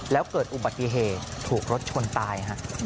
แล้วเกิดอุบัติเหตุถูกรถชนตาย